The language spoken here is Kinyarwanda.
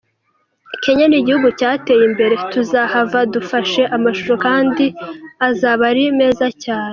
Kenya ni igihugu cyateye imbere ,tuzahava dufashe amashusho kandi azaba ari meza cyane.